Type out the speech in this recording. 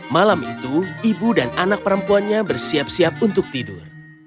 malam itu ibu dan anak perempuannya bersiap siap untuk tidur